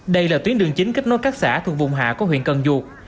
đây là tuyến đường chính kết nối các xã thuộc vùng hạ của huyện cần duột